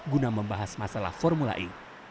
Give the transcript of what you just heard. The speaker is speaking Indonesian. guna membahas masalah formula e